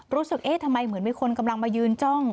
รู้สึกเอ๊ะทำไมเหมือนมีคนกำลังมายืนจ้อง